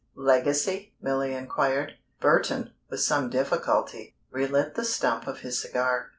"Legacy?" Milly inquired. Burton, with some difficulty, relit the stump of his cigar.